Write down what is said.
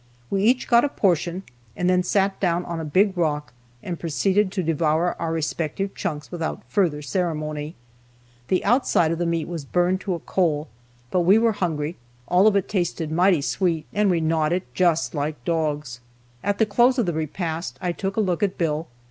We each got a portion, and then sat down on a big rock, and proceeded to devour our respective chunks without further ceremony. The outside of the meat was burned to a coal, but we were hungry, all of it tasted mighty sweet, and we gnawed it just like dogs. At the close of the repast, I took a look at Bill.